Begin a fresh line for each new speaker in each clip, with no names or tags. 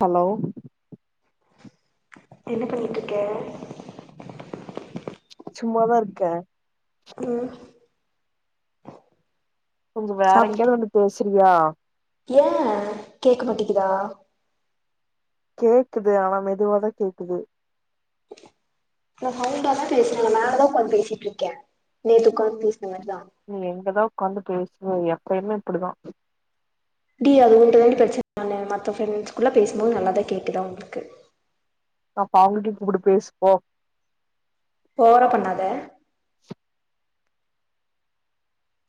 hello
என்ன பண்ணிட்டு இருக்க
சும்மாதான் இருக்கேன்
ம்
கொஞ்சம் வேற எங்கயாவது வந்து பேசு பிரியா
ஏன் கேக்க மாட்டேங்கிதா
கேக்குது ஆனா மெதுவாதான் கேக்குது
இல்ல மைல்டாதான் பேசுறேன் மேலதான் உக்காந்து பேசிட்டு இருக்கேன் நேத்
நீ எங்கதான் உட்காந்து பேசுவ யா எப்பயுமே இப்படிதான்
டி அது உண்டு தாண்டி பிரச்சனை மத்த ஃப்ரெண்ட்ஸ்குள்ள பேசும்போது நல்லாதான் கேக்கு தான் அவுங்களுக்கு
அப்ப அவுங்கிட்டையும் கூப்ட்டு பேசுப்போ
ஓவரா பண்ணாத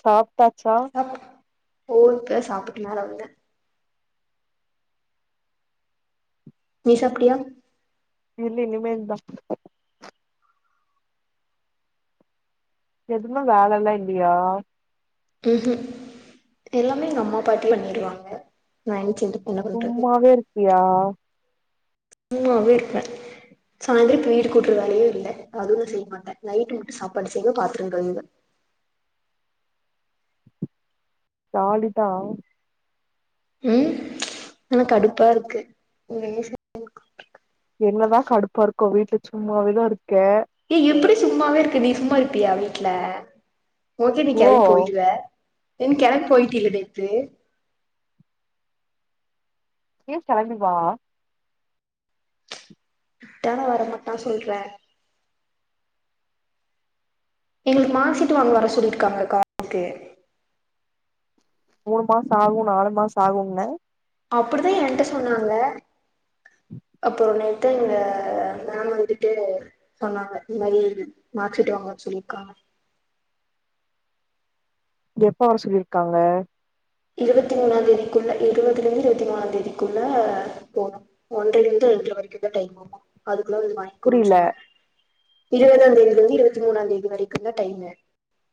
சாப் டாச்சா
ஃபோன் பே சாப்பிட்டு மேல வந்தேன் நீ சாப்படியா
இல்ல இனிமேல் தான் எதுமே வேலலாம் இல்லையா
ம் ம் எல்லாமே எங்க அம்மா பாட்டி பண்ணிருவாங்க நைட்டு
சும்மாவே இருப்பியா
ம் வீட்ல சாயந்திரம் இப்ப வீடு கூட்டுற வேலையையும் இல்லை அதுவும் நான் செய்ய மாட்டேன் நைட்டு மட்டும் சாப்பாடு செய்வேன் பாத்தரங்கழுவேன்
[unintelligible]
ம் ஆனா கடுப்பா இருக்கு
என்னதான் கடுப்பா இருக்கும் வீட்டுல சும்மாவேதான் இருக்
ஏய் எப்படி சும்மாவே இருக்கு நீ சும்மா இருப்பியா வீட்ல ஓகே நீ
ஓ
கெளம்பி போயிருவ ஏன் கெளம்பி போயிட்ட இல்ல நேத்து
ஏ கெளம்பி வா
தேங்கா இருக்கு பொய் சொல்டேன் எனக்கு மார்க்சீட்டு வாங்க வர சொல்லிருக்காங்க காலேஜ்சுக்கு
மூணு மாசம் ஆகும் நாலு மாசம் ஆகுன்ன
அப்புடிதா ஏன்ட சொன்னாங்க அப்றோ நேத்து எங்க மேம் வந்துட்டு சொன்னாங்க இந்த மாதிரி மார்க்சீட்டு வாங்க வர சொல்லிருக்காங்க
எப்ப வர சொல்லிருக்காங்க
இருவத்தி மூணாம் தேதிக்குள்ள இருவதுல இருந்து இருவத்தி நாலாந் தேதிக்குள்ள போனும் ஒன்ரைல இருந்து ரென்ரை வரைக்கும்தா டைம்மாம அது அதுகுள்ள நீ வாங்கினு
புரியல
சொன்னாங்க இருவதாம் தேதில இருந்து இருவத்தி மூணாம் தேதி வரைக்கும் தான் டைமு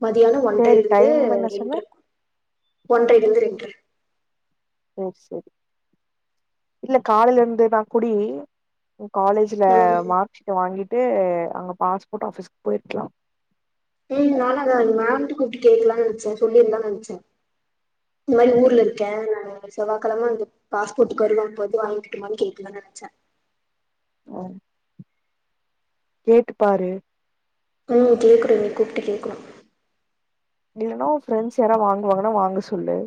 மதியானம் ஒன்றைல
சேரி
இருந்து
டைம் என்ன
ரெண்டு
சொன்ன
இருக்கும் ஒன்றை போ அங்க
சேரி சேரி இல்ல காலேல இருந்தா தா குடி காலேஜ்ல
ம்
மார்க்சீட் வாங்கிட் ட்டு அங்க பாஸ்போர்ட் ஆபிஸ்கு போயிருக்கலாம்
ஹும் நானு அத அந்த மேம்ட கூப்பிட்டு கேக்கலான் நினச்சேன் சொல்லிருந்தான்னு நினச்சேன் இந்த மாரி ஊர்ல இருக்கேன் நா செவ்வாயக்கிழமை வந்து பாஸ்போர்ட்டுக்கு வருவேன் அப்ப வந்து வாங்கிக்கட்டுமானு கேக்கலாம்னு நினச்சேன்
ம் கேட்டு பாரு
ம் கேக்குறேன் நீ கூப்பிட்டு கேக்குறே
நீ இல்லனா ஃப்ரெண்ட்ஸ் யாராது வாங்கு வாங்கனா வாங்க சொல்லு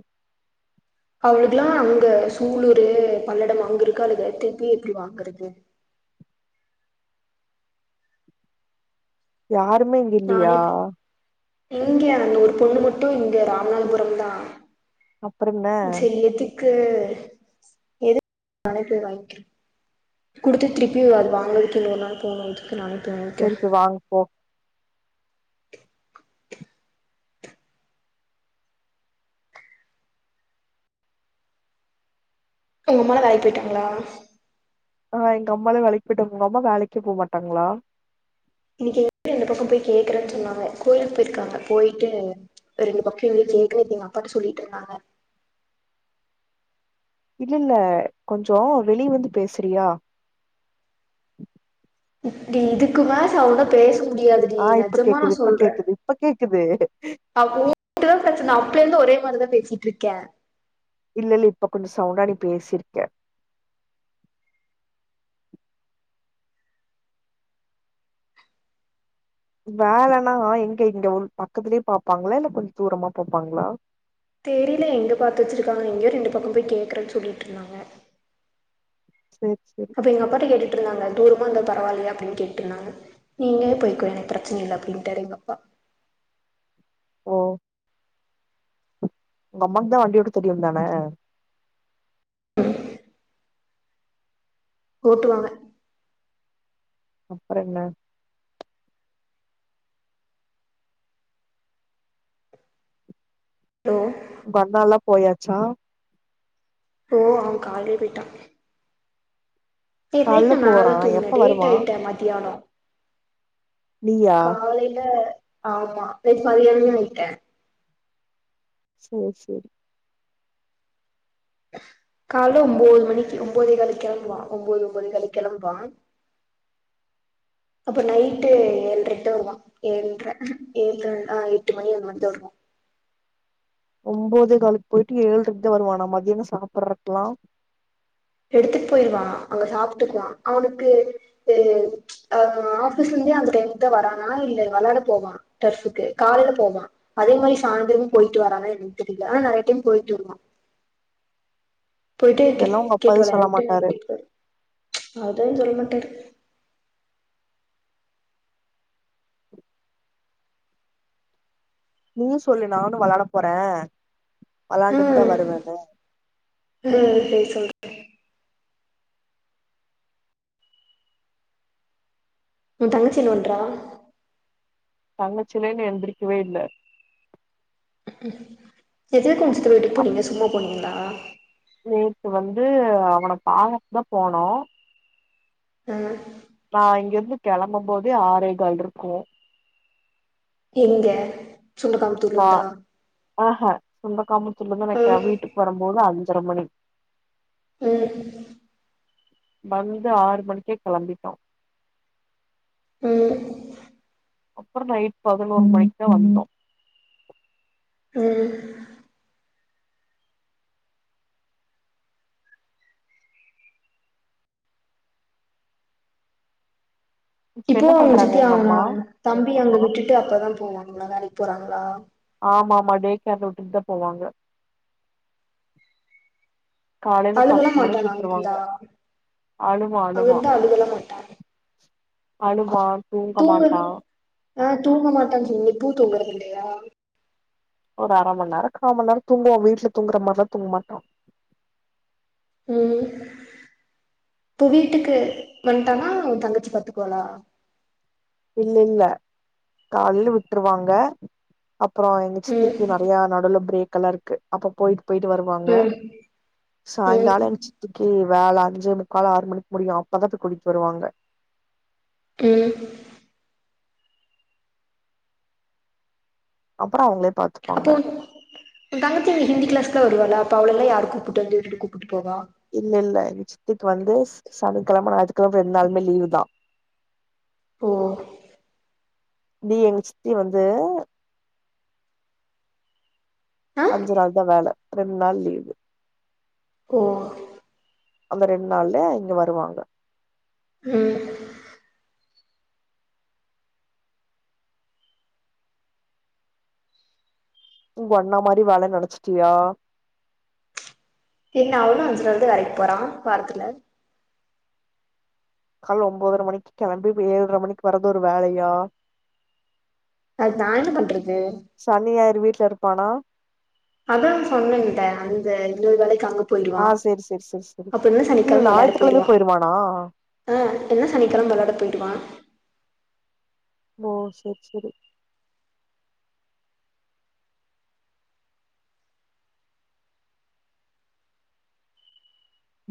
அவளுக்கெல்லாம் அங்க சூளூர் பல்லடம் அங்க இருக்காளுக திருப்பி எப்டி வாங்கறது
யார் பொண்ணு இங்க இல்லியா
எங்க அந்த ஒரு பொண்ணு மட்டும் இங்க ராமநாதபுரம் தான்
அப்ற ம
கு எதுக்கு நானே போய் வாங்கிறோன் குடுத்து திருப்பி அது வாங்குறத்துக் இன்னோரு நாள் போனுன்றதுக்கு நானே போய் வாங்கிக்கிறே
சரி போ வாங்கு போ
உங்க அம்மால வேலை போயிட்டாங்களா
ஆ எங்க அம்மால வேலைக்கி போயிட்டாங்க உங்க அம்மா வேலைக்கே போ மாட்டாங்களா
இன்னிக்கு எங்க ரெண்டு பக்கம் போய் கேக்குறேன்னு சொன்னாங்க கோவில் போயிருக்காங்க போயிட்டு ரெண்டு பக்கம் எங்கயும் கேக்குறீங்க அப்பாட்ட சொல்லிட்டு இருந்தாங்க
இல்லல்ல கொஞ்ச வெளிய வந்து பேசுறியா
து இதுக்குமேல சவுண்டா பேச முடியாது டி
ஆ இப்ப
நெஜமா நா
கேக்குது இப்ப
சொல்றேன்
கேக்குது இப்ப கேக்குது
அவ்ளோதா இளயளத பிரச்சன அப்பலே இருந்து ஒரே மாரிதான் பேசிட் ட்ருக்கேன்
இல்ல இல்ல இப்ப கொஞ்ச சவுண்டா நீ பேசிருக்க வேலைன்னா எங்க இங்க ஒன் பக்கத்துலயே பாப்பாங்ளா இல்ல கொஞ்ச தூரமா பாப்பாங்ளா
தெரில எங்க பாத்து வச்சிருக்காங்க எங்கேயோ ரெண்டு பக்கம் போயி கேக்குறேன் சொல்லிட்டு இருந்தாங்க
சேரி சேரி
அப்ப எங்கப்பாட்ட கேட்டுட் இருந்தாங்க தூரமா இருந்தா பரவில்லையா அப்படின்னு கேட்டிருந்தாங்க நீங்கலே போய்ககோங்க எனக்கு பிரச்சனை இல்லை அப்படின்டாரு எங்கப்பா
ஓ உங்க அம்மாக்கு தான் வண்டியோட்ட தெரியும் தானே
ஓட்டுவாங்க
அப்புறம் என்ன
ஓ
உங்க அம்மாலாம் போய்யாச்சா
ஓ அவன் காலையே போயிட்டான் சேர்
கால்ல
நேத்து
போறா
நானும்
எப்ப
தூங்கினேன் டேட்
வருவா
ஆயிட்டேன் மத்தியானம்
நீயா
காலையில ஆமா நேத்து மத்தியானமே ஆயிட்டேன்
சேரி சேரி
கால்ல ஒம்பது மணிக்கு ஒம்பதே காலுக்கு கெளம்புவான் ஒம்பது ஒம்பதே காலுக்கு கெளம்புவான் அப்ப நைட்டு ஏழரைக்கு தான் வருவான் ஏழரை ஆ எட்டு மணி அந்த மாரி தான் வருவான்
ஒம்பதே காலுக்கு போய்ட்டு ஏழரைக்கு தான் வருவான்னா மதியானம் சாப்றக்கெல்லாம்
எடுத்துட்டு போயிடுவான் அங்க சாப்பிட்டுக்குவான் அவனுக்கு அ ஆஃபீஸ்ல இருந்தே அந்த டைம் தான் வரானா இல்ல விளாட போவான் டிரபுக்கு காலையில போவான் அதே மாதிரி சாயந்தரமும் போயிட்டு வரானான்னு எனக்கு தெரியல ஆனா நறைய டைம் போயிட்டு வருவான் போயிட்டு
இதெல்லா உங்க
கிரிக்கெட்
அப்பாவே சொல்ல
விளையானாட்டு
மாட்டாரு
கேட்டுவாரு அவர்தான் சொல்ல மாட்டாரு
நீயும் சொல்லு நானும் விளாட போறேன்
ம் ம் செரி சொல் உன் தங்கச்சி என்னா பன்றா
தங்கச்சிஎல்லாம் இன்னும் எந்திரிக்கவே இல்லை
ம் செரி எதுக்கு உங்க சித்தி வீட்டுக்கு
அப்
போனீங்க சும்மா போனீங்க ளா
நேத்து வந்து அவனை பாக்க தான் போனோம்
ம்
நான் இங்கிருந்து கிளம்பும் போதே ஆரேகால் இருக்கும்
எங்க சொந்த காமத்தூர்ல இருந்தா
நான் ஆ சொந்த காம சொல்லத
ம்
நைக்கேன் வீட்டுக்கு வரும்போது அது ஜெர்மனி
ம்
வந்து ஆறு மணிக்கே கெளம்பிட்டோம்
ம்
அப்புறம் நைட் பதினொரு மணிக்கு தான் வந்தோம்
ம்
இப்ப
இப்போ
என்ன
அவுங்க
பண்றாங்க
சித்தி
உங்க
ஆகன
அம்மா
தம்பி அங்க விட்டுட்டு அப்பதான் போவாங்க இன்னும் வேலைக்கு போறாங்களா
ஆமா ஆமா டே கேர்ல விட்டு தான் போவாங்க காலையில
அழுகலா
பத்து மணிக்கு
மாட்டான் நா வீட்ல
விட்டுருவாங்க
இருந்தா
அழுவா
அங்க இருந்தா அழுகல்லாம் மாட்டான்
அலுவான் தூங்க மாட்டா
ஆ தூங்க மாட்டான்னு சொன்னிங்க இப்பவு தூங்கறது இல்லையா
ஒரு அர மண் நேரம் கா மணி நேரம் தூங்குவான் வீட்ல தூங்கற மாரிலாம் தூங்க மாட்டான்
ம் இப்போ வீட்டுக்கு வந்ட்டானா ஓ தங்கச்சி பாத்துக்குவாலா
இல்ல இல்ல காலைல விட்டுருவாங்க அப்புறம் எங்க
ம்
சித்திக்கு நறையா நடுவுல பிரேக் கல இருக்கு அப்ப போயி போயிட்டு வருவாங்க
ம் ம்
சாய்ங்காலம் எங்க சித்திக்கு வேல அஞ்சே முக்கால் ஆறு மணிக்கு முடியும் அப்பதா கூடிட்டு வருவாங்க
ம்
அப்பறம் அவுங்களே பாத்துப்பாங்க
என் தங்கச்சி இன்னைக்கு விகிளாஸ்லா வருவாவாளா அப்ப அவளலா யாரு கூப்புட்டு வந்து உட்டுட்டு கூப்பட்டு
இல்ல இல்ல துக்கு வந்து சனிக் கெழம ஞாத்தி கெழம ரண் நாளுமே லீவு தா
ம்
டே எங்க சித்தி வந்து
ஆ
அஞ்சி நாள் தா வேல ரண் நாள் லீவு
ஓ
அந்த ரெண் நாள்ல இங்க வருவாங்க
ம்
உங்க அண்ண மாரி வேல நெனச்சிட்டியா
என்ன அவனும் அஞ்சி நாள்தா வேலைக்கு போறான் வாரத்துல
கால்ல ஒன்போதர மணிக்கு கெளம்பி ஏல்ர மணிக்கு வறது ஒரு வேலையா
அது நா என்ன பண்றது
சனி ஞாயிறு வீட்ல இருப்பானா
அதா சொன்னன் இவன்ட்ட வந்து இன்னொரு வேலைக்கு அங்க போயிடுவா
ஆ சேரி சேரி சேரி சேரி
அப்ப இன்னொரு
இல்ல
சனிக்கெழம வெளாட
ஞாயித்துக்கெழமயு
போயிடுவான்
போயிருவானா
ஆ இன்னும் சனிக்கெழம வெளாட போயிடுவான்
ஓ செரி செரி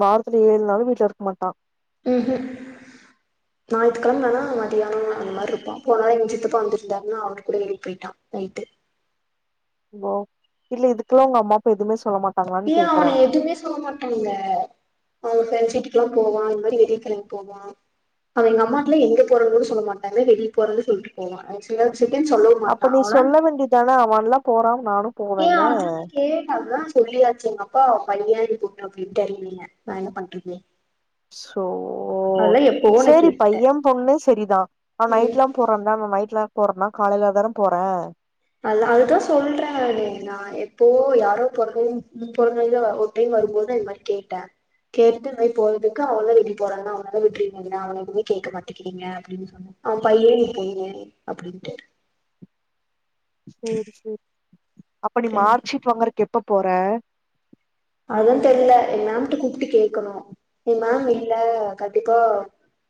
வாரத்துல ஏழு நாளும் வீட்ல இருக்க மாட்டான்
ம் நா ஞாயித்து கெழமலா மதியானம் அந்த மாரி இருப்பான் போன வாரம் எங்க சித்தப்பா வந்துருந்தாருன்னா அவரு கூடே வெளிய போயிட்டான் நைட்டு
ஓ இல்ல இதுக்குல்லாம் உங்க அம்மா அப்பா எதுமே சொல்ல மாட்
ஏ அவன எதுமே சொல்ல மாட்டாங்க அவுங்க சிட்டி கிளா போவான் இந்த மாரி வெளிய கெளம்பி போவான் அவன் எங்க அம்மாட்டல எங்க போறன்னு கூட சொல்ல மாட்டா வெளிய போறன் சொல்லிட்டு போவான்
அப்ப நீ சொல்ல வேண்டிதானே அவன் எல்லா போன்னா நானும்
ஏ அதுதா கேடப் அதான் சொல்லியாச்சு எங்க அப்பா பையன் கூப்டு போவான் அப்டின் தெரியலீங்க நா என்ன பண்றது
சோ
அதெல்லா எப்பவோ நா
சரி
கேட்டே
பையன் பொண்ணு சரிதான் நா
ம்
நைட் எல்லா போன்னா நைட்ல போறனா காலேல தானே போற
அத அதுதான் சொல்றன் நா எப்போ யாரோ பொறந்தல ஒரு டைம் வரும்போது அது மாரி கேட்டேன் கேட்டு இது மாரி போறதுக்கு அவந்தான் வெளிய போறன்னா அவளதான் விட்டு அவனு எதுவுமே கேட்க மாட்டங்கிறீங்க அப்டின் சொன்னேன் அவன் பையன் நீ பொண்ணு அப்டின்னுட்டாரு
சேரி சேரி அப்ப நீ மார்க் சிட் வாங்கறக்கு எப்ப போற
அதுதான் தெரியல ஏ மேம் கூப்டு கேக்ணும் ஏ மேம் இல்ல கண்டிப்பா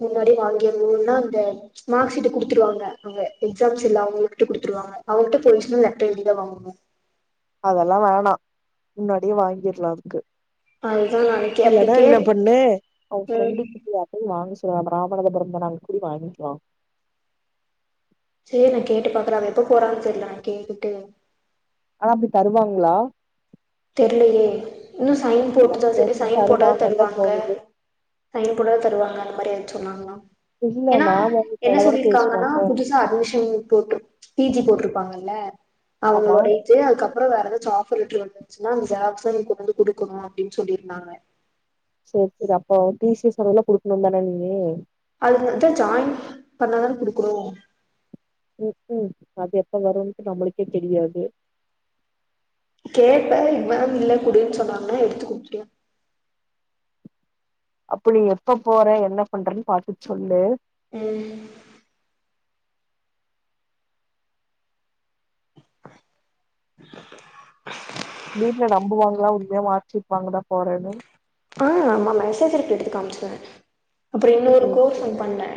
முன்னாடி வாங்கியரனுன்னா அந்த மார்க் ஷீட் குடுத்துருவாங்க அங்க எக்ஸாம்ஸ் எல்லா அவங்கள்ட குடுத்துருவாங்க அவங்கள்ட போயிருச்சுனா லெட்டர் எழுதிதா வாங்கணு
அதல்லா வேணா முன்னாடியே வாங்கிடலாம் அதுக்கு
அதுதா நாளைக்கு அப்டி
இல்லன்னா என்ன
கேப்
பண்ணு அவுங்
ம்
ஃப்ரெண்டு கிட்ட யார்டயு வாங்க ராமநாதபுரந்தான அங்க கூடி வாங்கிக்கலாம்
சேரி நா கேட்டு பாக்குறேன் அவ எப்ப போறான்னு தெரியல நா கேட்டுட்டு
ஆனா அப்டி தருவாங்ளா
தெர்லயே இன்னு சையின்
எனக்கு
போட்டுதான் சரி
தெரிஞ்சு
சையின் போட்டாதா
தருவாங்கன்னு தா
தருவாங்க
தோணுது
சையின் போட்டாதா தருவாங்க அந்த மாரி சொன்னாங்ளாம்
இல்ல
ஏனா
மேம் உங்க
என்ன
நல்லாதான
சொல்லி இருக்காங்கன்னா
பேசுவாங்க
புதுசா அட்மிஷன் போட்டு பி ஜி போட்டிருப்பாங்கல்ல
ஆமா
அவுங்ளோடைய இது அதுக்கப்புற வேற எத ஜாப் சொல்லிட்ரு வேன் மேம் ஜெராக்ஸ்சு நீ கொண்டு வந்து குடுக்கணு அப்டின் சொல்லிருந்தாங்க
சேரி சேரி அப்போ பீசஸ் அதல்லா குடுக்கணு தானே நீயி
அது மட்டு ஜாயின் பண்ணா தான குடுக்குனு
ம் ம் அது எப்ப வருனுட்டு நம்மளுக்கே தெரியாது
கேப்பேன் மேம் இல்ல கூடுன்னு சொன்னாங்க எடுத்து குடுத்துருவேன்
அப்படி எப்ப போற என்ன பண்றன்னு பாத்து சொல்லு
ம் [unintelligible]
வீட்ல நம்புவாங்கா உண்மையா மார்க் ஷீட் வாங்கதா போறன்னு
ஆ ஆமா மெசஜர் எடுத்து காமிச்சிருவேன் அப்டி இன்னோரு
சேரி
கோர்ஸ்
சேரி
ஒன் பண்ணே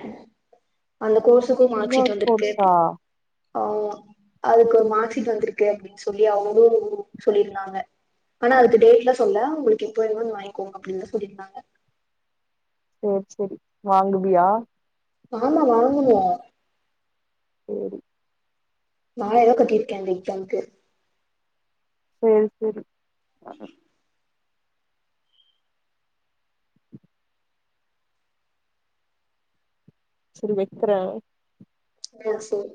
அந்து கோர்ஸுக்கும் மார்ஷீட்
இன்னொரு
வந்துருக்கு
கோர்ஸா
ஆமா அதுக்கு ஒரு மார்க்ஷீட் வந்துருக்கு அப்டின் சொல்லி அவுங்ளு சொல்லிருந்தாங்க ஆனா அதுக்கு டேட்லா சொல்ல உங்ளுக்கு எப்ப வேணுமோ வந்து வாங்கி க்கோங்க அப்டின்தா சொல்லிருந்தாங்க
சேர் செரி வாங்குவியா
ஆமா வாங்குவோ
சேரி
நாலாயருவா கட்டிருக்கே அந்த எக்ஸாம்க்கு
சேர் செரி ஆ செரி வெக்றே
ஆ சேரி